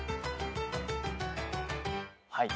はい。